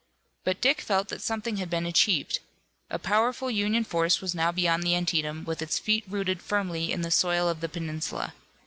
But Dick felt that something had been achieved. A powerful Union force was now beyond the Antietam, with its feet rooted firmly in the soil of the peninsula.